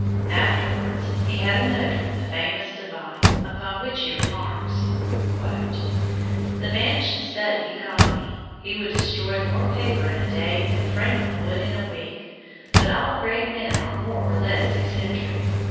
Afterwards he had a note from the famous divine upon which he remarks: "The man should study economy; he would destroy more paper in a day than Franklin would in a week; but all great men are more or less eccentric.